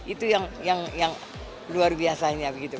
itu yang luar biasanya begitu